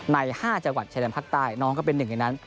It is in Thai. ใน๕จังหวัดชายแดนภาคใต้น้องก็เป็นหนึ่งในนั้น